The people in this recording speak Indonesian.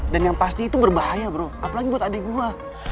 yang pasti itu berbahaya bro apalagi buat adik gue